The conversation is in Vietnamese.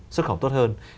xuất khẩu tốt hơn